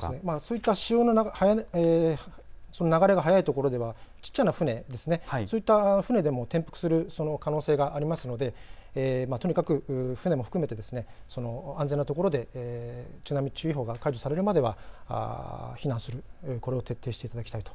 そういった潮の流が速いところではちっちゃな船、そういった船でも転覆する可能性がありますのでとにかく船も含めて安全な所で津波注意報が解除されるまでは避難する、これを徹底していただきたいと。